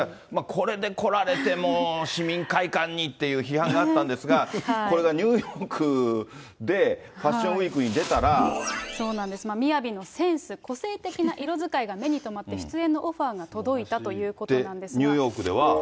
これで来られても、市民会館にっていう批判があったんですが、これがニューヨークで、ファッショそうなんです、みやびのセンス、個性的な色使いが目に留まって、出演のオファーが届いたといニューヨークでは。